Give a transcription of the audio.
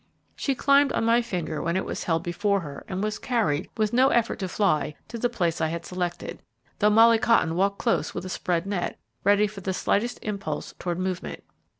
She climbed on my finger when it was held before her, and was carried, with no effort to fly, to the place I had selected, though Molly Cotton walked close with a spread net, ready for the slightest impulse toward movement.